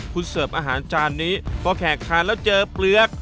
คุณหัวค้างอาหารจานนี้คุณ้อยออกเลยแล้วเจอเปลือก